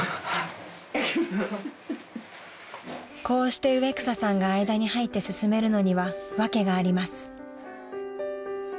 ［こうして植草さんが間に入って進めるのには訳があります］